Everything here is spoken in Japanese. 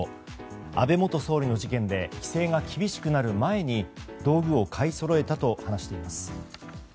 安倍元総理の事件で規制が厳しくなる前に道具を買いそろえたと話しています。